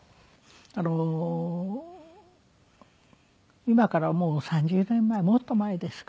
あの今からもう３０年前もっと前ですか。